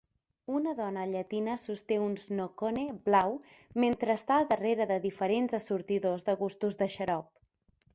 Una dona llatina sosté un "snocone" blau mentre està darrere de diferents assortidors de gustos de xarop.